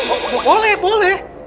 oh boleh boleh